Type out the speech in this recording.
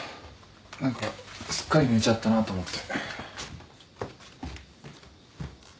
何かすっかり寝ちゃったなと思って。